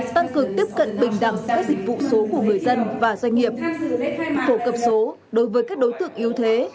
tăng cường tiếp cận bình đẳng các dịch vụ số của người dân và doanh nghiệp phổ cập số đối với các đối tượng yếu thế